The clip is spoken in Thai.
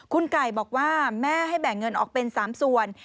คุณไก่บอกว่าแม่ให้แบ่งเงินออกเป็น๓ส่วน